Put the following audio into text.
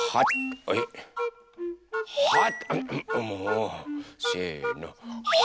せの。